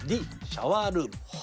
シャワールーム。